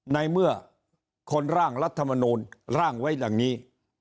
ในเมื่อคนร่างรัฐมนูลร่างไว้อย่างนี้